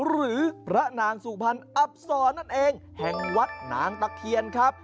หรือพระนางสุพรรณอับศรนั่นเองแห่งวัดนางตะเคียนครับ